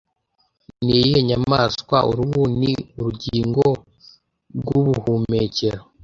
Ni iyihe nyamaswa, uruhu ni urugingo rw'ubuhumekero